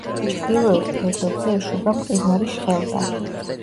ჩრდილოეთ ფერდობზე ეშვება მყინვარი შხელდა.